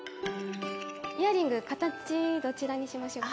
イヤリング形どちらにしましょうか？